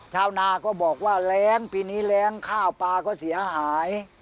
ชาวนาก็บอกว่าแรงปีนี้แรงข้าวปลาก็เสียหาย